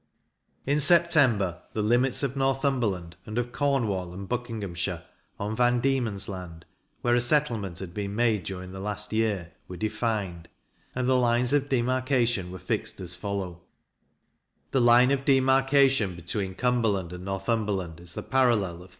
In September, the limits of Northumberland, and of Cornwall and Buckinghamshire, on Van Diemen's Land, where a settlement had been made during the last year, were defined; and the lines of demarkation were fixed as follow: The line of demarkation between Cumberland and Northumberland is the parallel of 33.